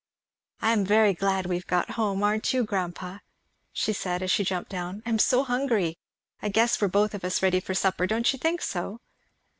"I am very glad we have got home, aren't you, grandpa?" she said as she jumped down; "I'm so hungry. I guess we are both of us ready for supper, don't you think so?"